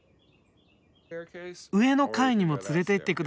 上の階にも連れていってください。